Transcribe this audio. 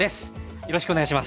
よろしくお願いします。